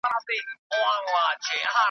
زه به درځم چي انار پاخه وي .